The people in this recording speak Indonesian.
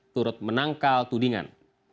turut menangkal tudingan